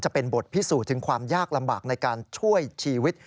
จะเป็นบทพิสูจน์ถึงความยากลำบากในการช่วยชีวิต